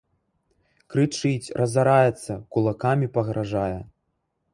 Крычыць, разараецца, кулакамі пагражае.